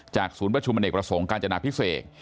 จากศูนย์ประชุมเนกประสงค์กาญจนาภิกษ์เอก